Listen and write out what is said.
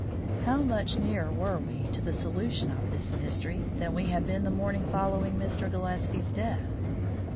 How much nearer were we to the solution of this mystery than we had been the morning following Mr. Gillespie's death?